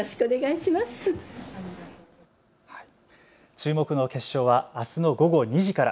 注目の決勝はあすの午後２時から。